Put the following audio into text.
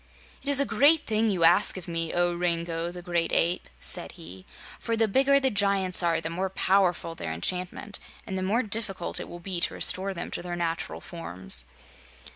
"It is a great thing you ask of me, O Rango the Gray Ape," said he, "for the bigger the giants are the more powerful their enchantment, and the more difficult it will be to restore them to their natural forms.